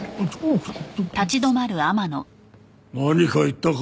何か言ったか？